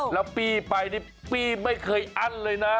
แล้วปี้ไปนี่ปี้ไม่เคยอั้นเลยนะ